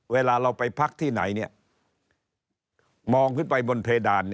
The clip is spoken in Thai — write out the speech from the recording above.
เวลาเราไปพักที่ไหนมองขึ้นไปบนเพดาน